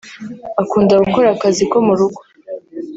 Akunda gukora akazi ko mu rugo